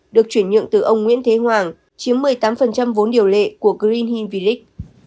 được chuyển nhượng từ ông nguyễn thế hoàng chiếm một mươi tám vốn điều lệ của green hill village